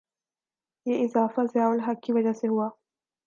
یہ اضافہ ضیاء الحق کی وجہ سے ہوا؟